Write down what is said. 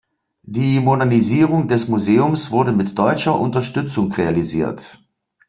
Die Modernisierung des Museums wurde mit deutscher Unterstützung realisiert.